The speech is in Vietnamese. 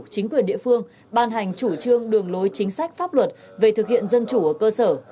chính quyền địa phương ban hành chủ trương đường lối chính sách pháp luật về thực hiện dân chủ ở cơ sở